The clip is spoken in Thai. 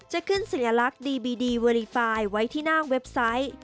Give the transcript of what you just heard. จะขึ้นสัญลักษณ์ดีบีดีเวอรีไฟล์ไว้ที่หน้าเว็บไซต์